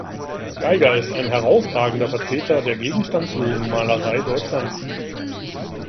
Geiger ist ein herausragender Vertreter der Gegenstandslosen Malerei Deutschlands.